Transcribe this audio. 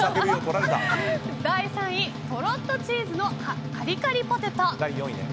第４位、とろっとチーズ味のカリカリポテト。